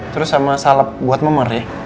terus sama salep buat memer ya